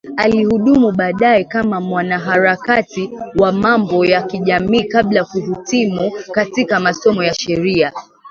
Alihudumu baadae kama mwanaharakati wa mambo ya kijamii kabla kuhitimu katika masomo ya sheria